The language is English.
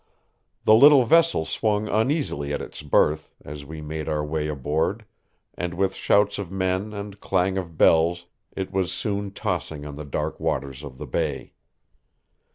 The little vessel swung uneasily at its berth as we made our way aboard, and with shouts of men and clang of bells it was soon tossing on the dark waters of the bay.